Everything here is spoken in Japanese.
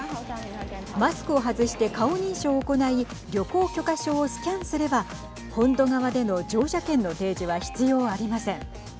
マスクを外して顔認証を行い旅行許可証をスキャンすれば本土側での乗車券の提示は必要ありません。